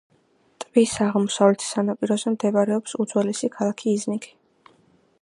ტბის აღმოსავლეთ სანაპიროზე მდებარეობს უძველესი ქალაქი იზნიქი.